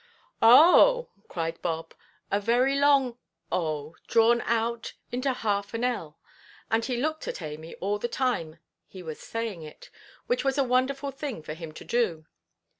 "Oh!" cried Bob, a very long "oh," drawn out into half an ell; and he looked at Amy all the time he was saying it, which was a wonderful thing for him to do.